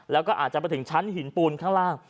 แล้วก็อาจจะไปถึงชั้นหินปูนข้างล่าง